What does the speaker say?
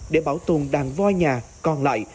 để bảo tồn đàn voi nhà còn lại